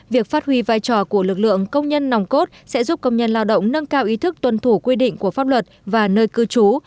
việc phát huy vai trò của lực lượng công nhân nòng cốt sẽ giúp công nhân lao động nâng cao ý thức tuân thủ quy định của pháp luật và nơi cư trú